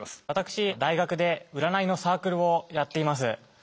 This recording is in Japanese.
私大学で占いのサークルをやっています。